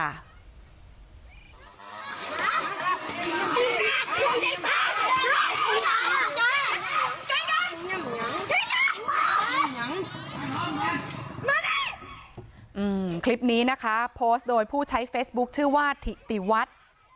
มานี่อืมคลิปนี้นะคะโพสต์โดยผู้ใช้เฟสบุ๊คชื่อว่าถิติวัด